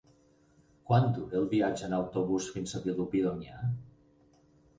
Quant dura el viatge en autobús fins a Vilobí d'Onyar?